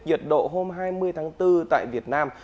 nhiệt độ hôm hai mươi tháng bốn tại việt nam